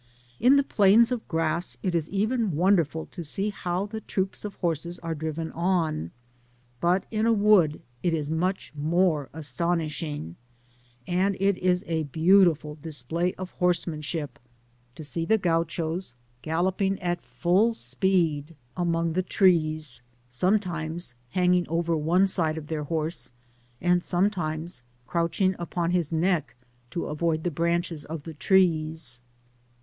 In the plains of grass it is even wonderful to see how the troops of horses are driven on, but in a wood it is much more asto* nisbing ; and it is a beautiful display of horseman ship to see the Oauchos galloping at full speed among the trees, sometimes hanging over one side of their horse, and sometimes croudnng upon his Digitized byGoogk THE PAMPAS. 289 neck to avoid the branches of the trees.